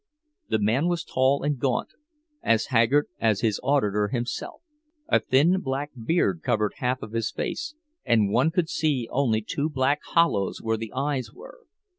The man was tall and gaunt, as haggard as his auditor himself; a thin black beard covered half of his face, and one could see only two black hollows where the eyes were.